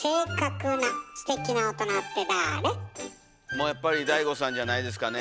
もうやっぱりＤＡＩＧＯさんじゃないですかね。